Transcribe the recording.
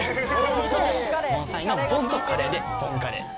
盆栽の盆とカレーで盆カレー。